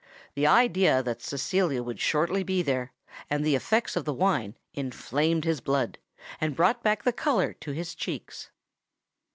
The idea that Cecilia would shortly be there and the effects of the wine inflamed his blood, and brought back the colour to his cheeks.